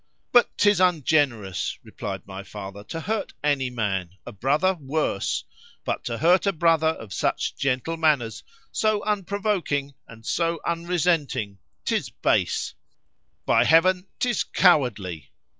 But 'tis ungenerous, replied my father, to hurt any man;——a brother worse;——but to hurt a brother of such gentle manners,—so unprovoking,—and so unresenting;——'tis base:——By Heaven, 'tis cowardly.